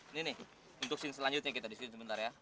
ini nih untuk scene selanjutnya kita disini sebentar ya